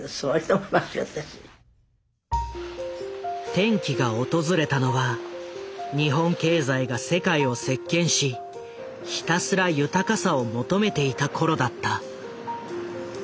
転機が訪れたのは日本経済が世界を席巻しひたすら豊かさを求めていた頃だった。